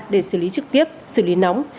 để xử lý trực tiếp xử lý nóng